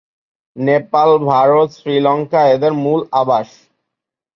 নেপাল, ভারত, শ্রীলঙ্কা এদের মূল আবাস।